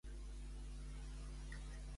Quin paper tenia Deinos?